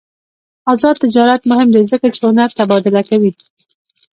آزاد تجارت مهم دی ځکه چې هنر تبادله کوي.